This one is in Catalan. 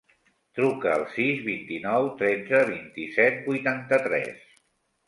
Truca al sis, vint-i-nou, tretze, vint-i-set, vuitanta-tres.